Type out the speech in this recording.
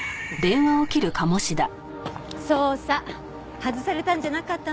捜査外されたんじゃなかったの？